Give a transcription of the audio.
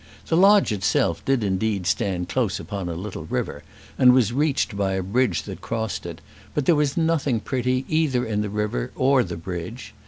The lodge itself did indeed stand close upon a little river, and was reached by a bridge that crossed it; but there was nothing pretty either in the river or the bridge.